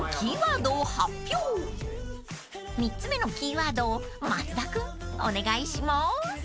［３つ目のキーワードを松田君お願いしまーす］